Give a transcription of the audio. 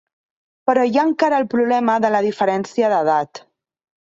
Però hi ha encara el problema de la diferència d'edat.